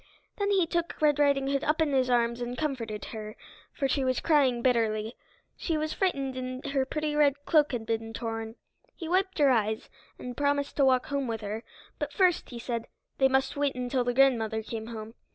Then he took Red Riding Hood up in his arms and comforted her, for she was crying bitterly. She was frightened and her pretty red cloak had been torn. He wiped her eyes, and promised to walk home with her, but first, he said, they must wait until the grandmother came home.